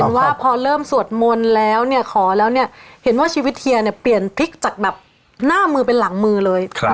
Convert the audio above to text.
เห็นว่าพอเริ่มสวดมนตร์แล้วขอแล้วเห็นว่าชีวิตเฮียเปลี่ยนภิกษ์จากหน้ามือจากหลังมือเลย